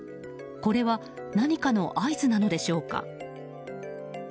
これは何かの合図なのでしょうか。